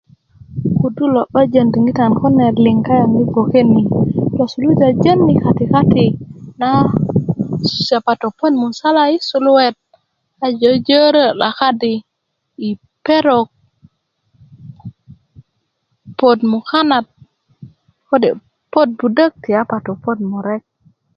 kudu lo 'ban jon i diŋitan kune liŋ kayaɲ i gboke ni lo suluja jon i kati kati yapa topot musala i suluwet a jööjrö lakadi i perok mukanat kode' i perok puwök wot budok ti yapato puwökwot murek